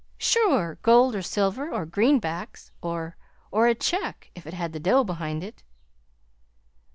"Sure! gold, or silver, or greenbacks, or or a check, if it had the dough behind it."